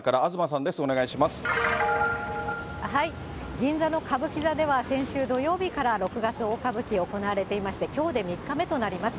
銀座の歌舞伎座では、先週土曜日から六月大歌舞伎行われていまして、きょうで３日目となります。